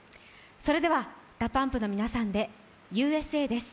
それでは、ＤＡＰＵＭＰの皆さんで「Ｕ．Ｓ．Ａ．」です。